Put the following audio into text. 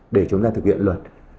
để chúng ta thực hiện luật